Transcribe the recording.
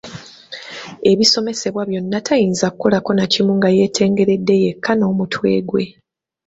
Ebisomesebwa byonna tayinza kukolako nakimu nga yeetengeredde yekka n'omutwe gwe.